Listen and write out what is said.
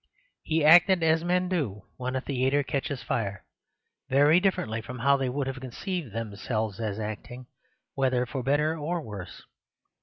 He acted as men do when a theatre catches fire—very differently from how they would have conceived themselves as acting, whether for better or worse.